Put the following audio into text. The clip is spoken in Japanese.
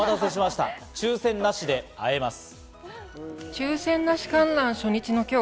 抽選なしで会えます。